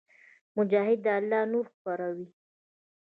مجاهد د الله نور خپروي.